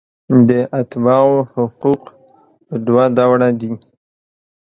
د اتباعو حقوق په دوه ډوله دي.